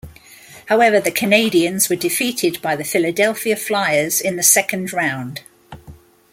However, the Canadiens were defeated by the Philadelphia Flyers in the second round.